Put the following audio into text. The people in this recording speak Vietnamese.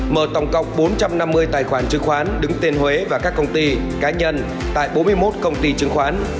mở tổng cộng bốn trăm năm mươi tài khoản chứng khoán đứng tên huế và các công ty cá nhân tại bốn mươi một công ty chứng khoán